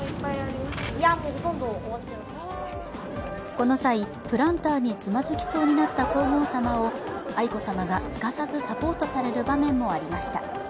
この際、プランターにつまずきそうになった皇后さまを、愛子さまがすかさずサポートされる場面もありました。